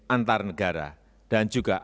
antar negara dan juga